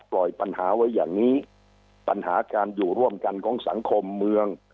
ปล่อยปัญหาไว้อย่างนี้ปัญหาการอยู่ร่วมกันของสังคมเมือง